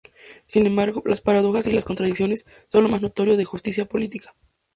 Sin embargo, las paradojas y las contradicciones son lo más notorio de "Justicia política".